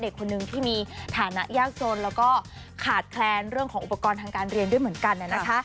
คนนึงที่มีฐานะยากจนแล้วก็ขาดแคลนเรื่องของอุปกรณ์ทางการเรียนด้วยเหมือนกัน